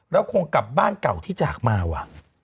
แล้วคงกลับบ้านเก่าที่จากมาว่ะ